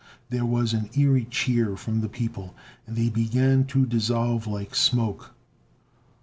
There was an eery cheer from the people, and they began to dissolve like smoke.